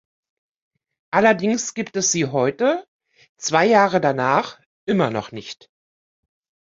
Allerdings gibt es sie heute, zwei Jahre danach, immer noch nicht.